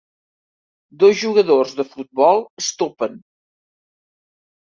Dos jugadors de futbol es topen.